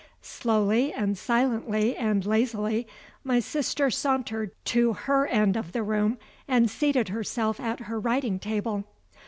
Slowly and silently and lazily, my sister sauntered to her end of the room and seated herself at her writing table.